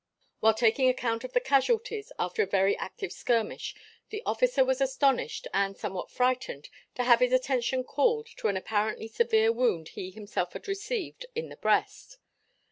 While taking account of the casualties after a very active skirmish the officer was astonished and somewhat frightened to have his attention called to an apparently severe wound he himself had received in the breast.